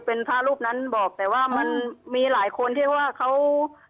เป็นพระรูปนั้นบอกแต่ว่ามันมีหลายคนที่ว่าเขา